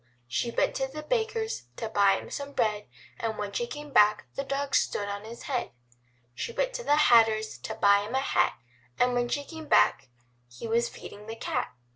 She went to the Baker's to buy him some bread, And when she came back the dog stood on his head She went to the Hatter's to buy him a hat, And when she came back he was feeding the cat.